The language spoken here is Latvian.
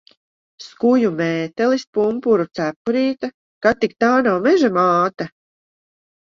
Skuju mētelis, pumpuru cepurīte. Kad tik tā nav Meža māte?